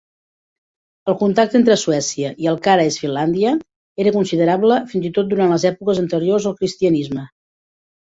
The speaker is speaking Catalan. El contacte entre Suècia i el que ara és Finlàndia era considerable fins i tot durant les èpoques anteriors al Cristianisme.